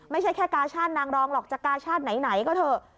ไม่ใช่แค่กาชาตินางรองหรอกจะกาชาติไหนก็เถอะ